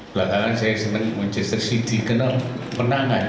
belakangan saya senang manchester city dikenal menangan